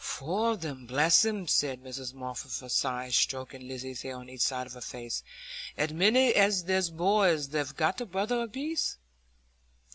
"Four of 'em, bless 'em!" said Mrs Moss, with a sigh, stroking Lizzy's hair on each side of her forehead; "as many as there's boys. They've got a brother apiece."